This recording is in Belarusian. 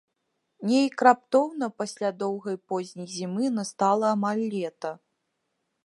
Неяк раптоўна пасля доўгай позняй зімы настала амаль лета.